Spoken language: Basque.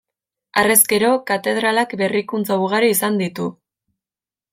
Harrezkero, katedralak berrikuntza ugari izan ditu.